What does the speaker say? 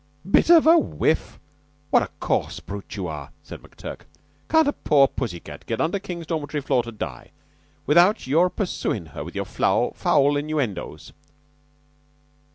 "Bit whiff! What a coarse brute you are!" said McTurk. "Can't a poor pussy cat get under King's dormitory floor to die without your pursuin' her with your foul innuendoes?"